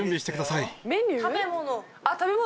食べ物。